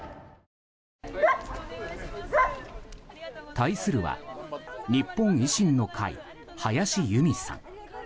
対するは、日本維新の会林佑美さん。